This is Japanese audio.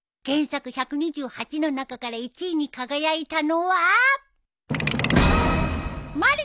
原作１２８の中から１位に輝いたのは。